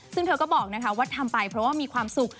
ซึ่งเธอก็บอกว่าทำไปเพราะว่ามีความสุข